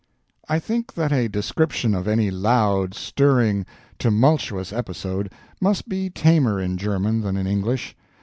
I think that a description of any loud, stirring, tumultuous episode must be tamer in German than in English.